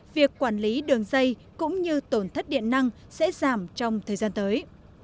việc quản lý đường dây cũng như tổn thất điện năng sẽ giảm trong thời gian tới